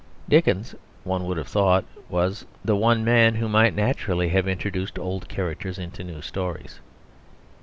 Dickens, one would have thought, was the one man who might naturally have introduced old characters into new stories.